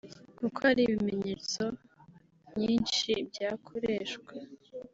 kuko hari ibimenyetso nyinshi byakoreshwa